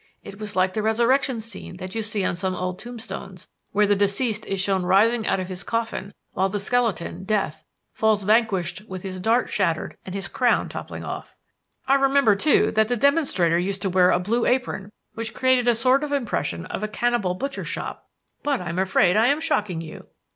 It was like the resurrection scene that you see on some old tombstones, where the deceased is shown rising out of his coffin while the skeleton, Death, falls vanquished with his dart shattered and his crown toppling off. "I remember, too, that the demonstrator used to wear a blue apron, which created a sort of impression of a cannibal butcher's shop. But I am afraid I am shocking you."